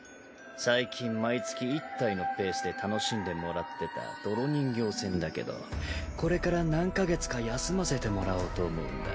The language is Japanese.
最近毎月１体のペースで楽しんでもらってた泥人形戦だけどこれから何か月か休ませてもらおうと思うんだ。